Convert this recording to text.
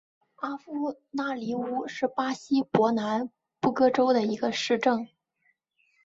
阿夫拉尼乌是巴西伯南布哥州的一个市镇。